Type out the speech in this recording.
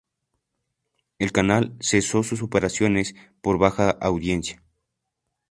El canal cesó sus operaciones por baja audiencia.